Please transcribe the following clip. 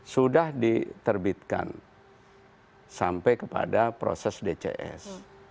sudah diterbitkan sampai kepada proses dcs